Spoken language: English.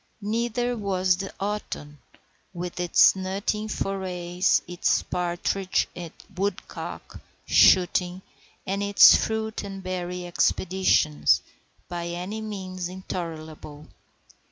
Neither was the autumn, with its nutting forays, its partridge and woodcock shooting, and its fruit and berry expeditions, by any means intolerable.